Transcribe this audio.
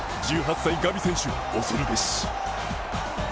１８歳、ガビ選手恐るべし。